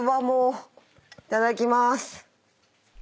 いただきまーす。